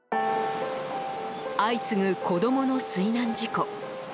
相次ぐ子供の水難事故。